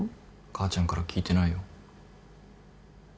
母ちゃんから聞いてないよ。